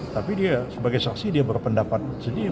tapi dia sebagai saksi dia berpendapat sendiri